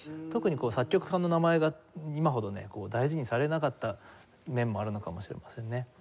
特に作曲家の名前が今ほどね大事にされなかった面もあるのかもしれませんね。